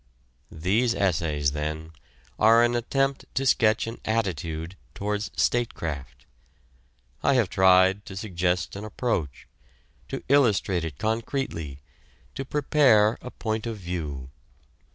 These essays, then, are an attempt to sketch an attitude towards statecraft. I have tried to suggest an approach, to illustrate it concretely, to prepare a point of view.